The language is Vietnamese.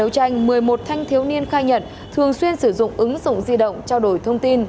tranh một mươi một thanh thiếu niên khai nhận thường xuyên sử dụng ứng dụng di động trao đổi thông tin